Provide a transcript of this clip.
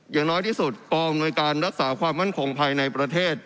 อย่างน้อยที่สุดกองอำนวยการรักษาความมั่นคงภายในประเทศ